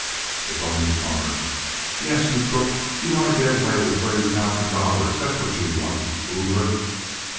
The Bony Plumber. "Yes, you crook! You want to get away with thirty thousand dollars, that's what you want, you boodler!"